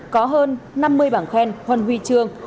có hơn năm mươi bảng khen huân huy trương